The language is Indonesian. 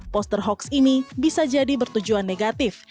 poster hoaks ini bisa jadi bertujuan negatif